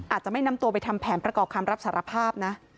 อาจจะไม่นำตัวไปทำแผนประกอบคำรับสารภาพนะ